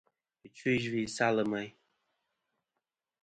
Ɨchfɨ̀-iyvɨ-i salɨ meyn.